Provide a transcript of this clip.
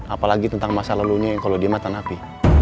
apalagi tentang masa lalunya yang kalau dia matan api